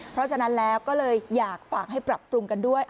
เพราะฉะนั้นแล้วก็เลยอยากฝากให้ปรับปรุงกันด้วย